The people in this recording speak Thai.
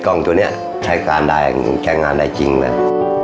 กล้องตัวนี้ใช้งานได้จริงแล้ว